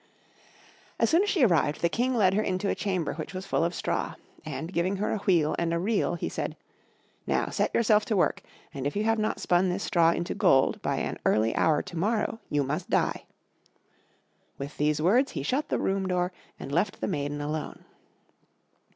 As soon as she arrived the King led her into a chamber which was full of straw; and, giving her a wheel and a reel, he said, "Now set yourself to work, and if you have not spun this straw into gold by an early hour to morrow, you must die." With these words he shut the room door, and left the maiden alone.